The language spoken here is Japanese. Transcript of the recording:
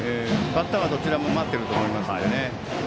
バッターはどちらも待っていると思いますので。